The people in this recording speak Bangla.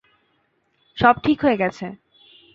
সব ঠিক হয়ে গেছে।